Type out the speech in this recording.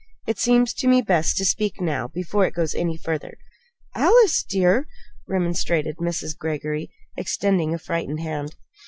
It seems to me best to speak now before it goes any further." "Alice, dear," remonstrated Mrs. Greggory, extending a frightened hand.